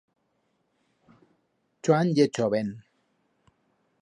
Chuan ye choven.